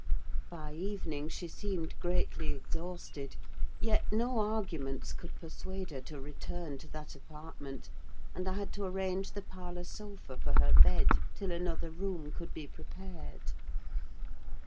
By evening she seemed greatly exhausted; yet no arguments could persuade her to return to that apartment, and I had to arrange the parlour sofa for her bed, till another room could be prepared.